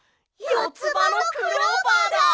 よつばのクローバーです！